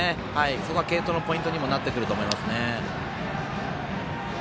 そこは継投のポイントにもなってくると思いますね。